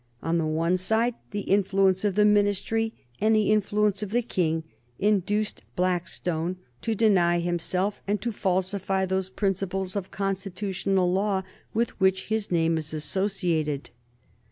On the one side the influence of the Ministry and the influence of the King induced Blackstone to deny himself and to falsify those principles of constitutional law with which his name is associated.